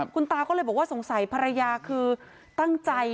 คุณตาก็เลยบอกว่าสงสัยภรรยาคือตั้งใจ